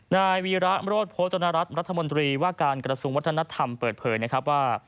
ในวีราก์โมโรตโพธลนารัศรรย์รัฐมนตรีว่าการกระทรวงวัฒนธรรมเปิดเผยนะครับว่า